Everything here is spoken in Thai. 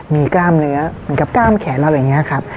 มีกล้ามเนื้อเหมือนกับกล้ามแขนเราอย่างนี้ครับ